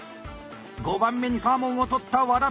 ５番目にサーモンを取った和田智美。